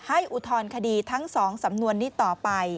อุทธรณคดีทั้ง๒สำนวนนี้ต่อไป